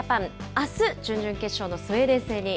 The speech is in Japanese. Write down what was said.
あす、準々決勝のスウェーデン戦